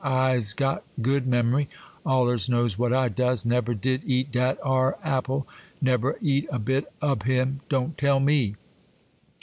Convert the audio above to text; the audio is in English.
I's got good mem'ry,—allers knows what I does,—nebber did eat dat ar' apple,—nebber eat a bit ob him. Don't tell me!